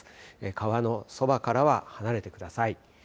川のそばからは離れてください。